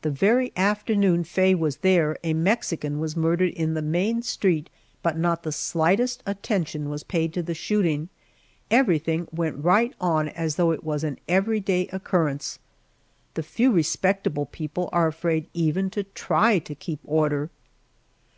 The very afternoon Faye was there a Mexican was murdered in the main street, but not the slightest attention was paid to the shooting everything went right on as though it was an everyday occurrence. The few respectable people are afraid even to try to keep order.